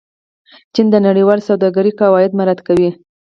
چین د نړیوالې سوداګرۍ قواعد مراعت کوي.